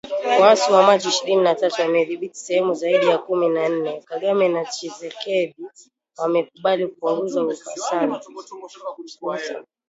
Waasi wa Machi ishirini na tatu wamedhibithi sehemu zaidi ya kumi na ine, Kagame na Tshisekedi wamekubali kupunguza uhasama